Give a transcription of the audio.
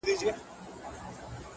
په شاعرۍ کي رياضت غواړمه،